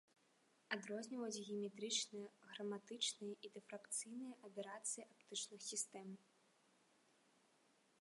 Адрозніваюць геаметрычныя, храматычныя і дыфракцыйныя аберацыі аптычных сістэм.